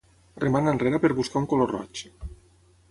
Remant enrere per buscar un color roig.